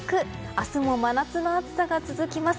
明日も真夏の暑さが続きます。